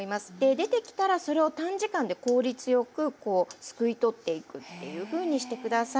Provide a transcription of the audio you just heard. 出てきたらそれを短時間で効率よくこうすくい取っていくというふうにして下さい。